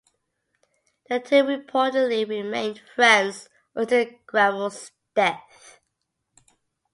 The two reportedly remained friends until Grable's death.